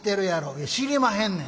「いや知りまへんねん。